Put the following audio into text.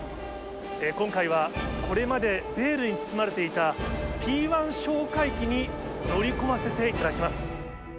今回は、これまでベールに包まれていた、Ｐー１哨戒機に乗り込ませていただきます。